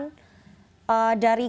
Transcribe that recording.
dari ketua harian